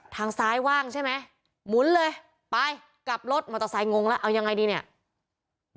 ทางซ้ายว่างใช่ไหมหมุนเลยไปกลับรถมอเตอร์ไซค์งงแล้วเอายังไงดีเนี่ย